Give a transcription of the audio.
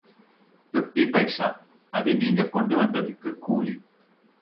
Fifty paisa அதை நீங்க கொண்டு வந்ததுக்குக் கூலி.